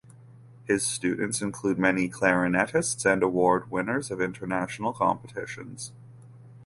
His students include many clarinetists and award winners of international competitions.